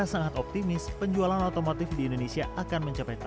sangat optimis penjualan otomotif di indonesia akan mencapai target